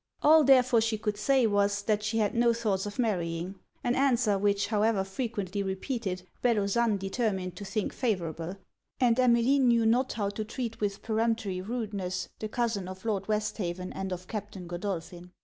All therefore she could say was, that she had no thoughts of marrying. An answer, which however frequently repeated, Bellozane determined to think favourable; and Emmeline knew not how to treat with peremptory rudeness the cousin of Lord Westhaven and of Captain Godolphin.